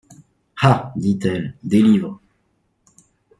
Ah ! dit-elle, des livres !